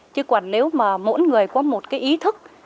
chứ còn nếu mà mỗi người có một cái ý thức